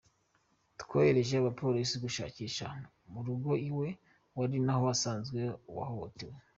Twohereje abapolisi gushakisha mu rugo iwe, ari naho basanze uwahohotewe.